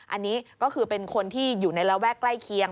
อันนี้ก็คือเป็นคนที่อยู่ในระแวกใกล้เคียง